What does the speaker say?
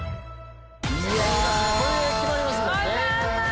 いやこれで決まりますもんね